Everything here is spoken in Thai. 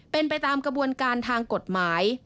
เป็นไปตามกระบวนการทางกฎหมาย